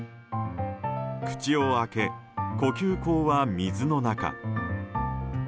口を開け、呼吸孔は水の中。